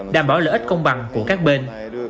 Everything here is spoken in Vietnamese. đảm bảo lợi ích công bằng của các bên